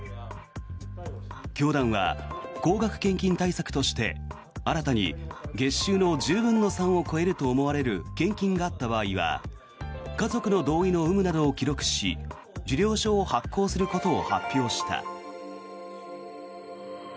教団は高額献金対策として新たに月収の１０分の３を超えると思われる献金があった場合は家族の同意の有無などを記録し受領書を発行することを発表した。